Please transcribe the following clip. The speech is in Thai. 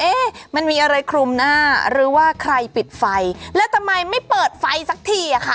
มันมีอะไรคลุมหน้าหรือว่าใครปิดไฟแล้วทำไมไม่เปิดไฟสักทีอ่ะค่ะ